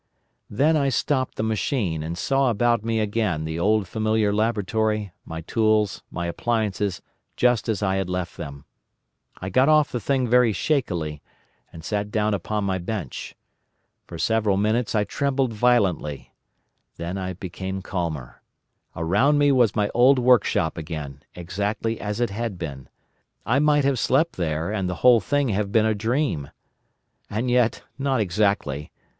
"Then I stopped the machine, and saw about me again the old familiar laboratory, my tools, my appliances just as I had left them. I got off the thing very shakily, and sat down upon my bench. For several minutes I trembled violently. Then I became calmer. Around me was my old workshop again, exactly as it had been. I might have slept there, and the whole thing have been a dream. "And yet, not exactly!